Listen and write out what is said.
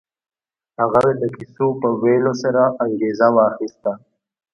هغه د کيسو په ويلو سره انګېزه واخيسته.